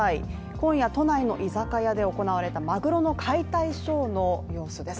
今夜都内の居酒屋で行われたマグロの解体ショーの様子です